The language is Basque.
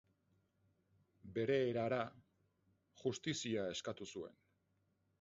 Bere erara, justizia eskatu zuen.